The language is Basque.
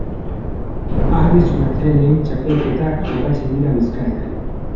Harri-zulatzaileen txapelketak jokatzen dira Bizkaian.